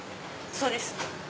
そうです。